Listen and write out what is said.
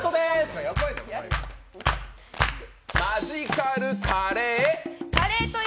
マジカルカレー。